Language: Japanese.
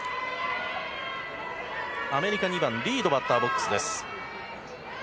アメリカ２番、リードがバッターボックス。